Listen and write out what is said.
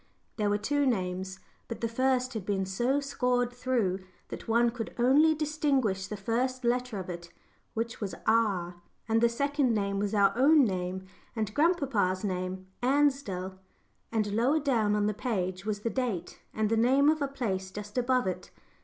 There were two names, but the first had been so scored through that one could only distinguish the first letter of it, which was "R," and the second name was our name and grandpapa's name, "Ansdell." And lower down on the page was the date, and the name of a place just above it.